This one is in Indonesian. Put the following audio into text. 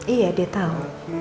iya dia tau